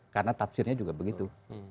karena tafsirnya juga begitu